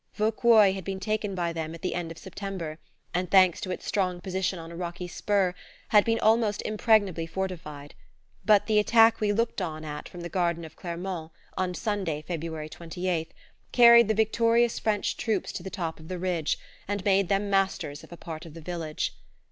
Vauquois had been taken by them at the end of September and, thanks to its strong position on a rocky spur, had been almost impregnably fortified; but the attack we looked on at from the garden of Clermont, on Sunday, February 28th, carried the victorious French troops to the top of the ridge, and made them masters of a part of the village.